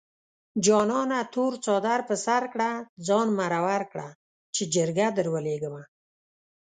جانانه تور څادر په سر کړه ځان مرور کړه چې جرګه دروليږمه